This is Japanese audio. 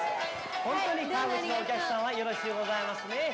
本当にお客さんはよろしゅうございますね。